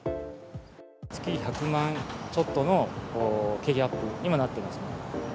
月１００万ちょっとの経費アップにはなってますね。